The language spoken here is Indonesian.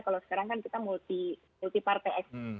kalau sekarang kan kita multi party